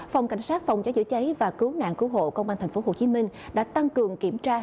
phòng cảnh sát phòng cháy chữa cháy và cứu nạn cứu hộ công an tp hcm đã tăng cường kiểm tra